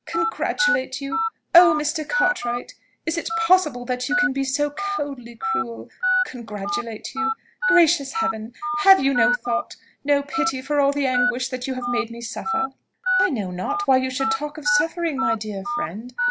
"Congratulate you! Oh, Mr. Cartwright! is it possible that you can be so coldly cruel? Congratulate you! Gracious Heaven! have you no thought, no pity for all the anguish that you have made me suffer?" "I know not why you should talk of suffering, my dear friend.